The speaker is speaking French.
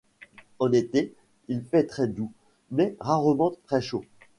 En été il fait très doux, mais rarement très chaud.